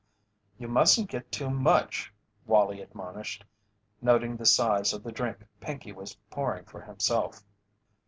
"You mustn't get too much," Wallie admonished, noting the size of the drink Pinkey was pouring for himself.